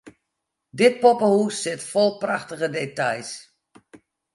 Dit poppehûs sit fol prachtige details.